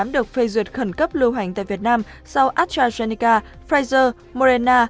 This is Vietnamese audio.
được phê duyệt khẩn cấp lưu hành tại việt nam sau astrazeneca pfizer morena